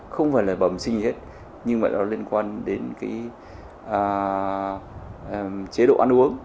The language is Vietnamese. không phải là bẩm sinh gì hết nhưng mà nó liên quan đến chế độ ăn uống